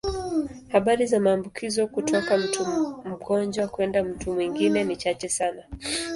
Habari za maambukizo kutoka mtu mgonjwa kwenda mtu mwingine ni chache sana.